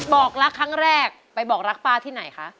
บอกรักครั้งแรกไปบอกรักป้าที่ไหนคะ